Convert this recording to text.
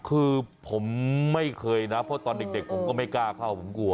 คือผมไม่เคยนะเพราะตอนเด็กผมก็ไม่กล้าเข้าผมกลัว